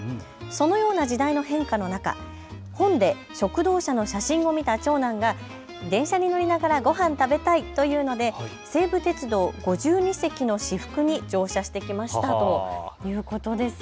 そのような時代の変化の中、本で食堂車の写真を見た長男が、電車に乗りながらごはんを食べたいというので西武鉄道、５２席の至福に乗車してきましたということです。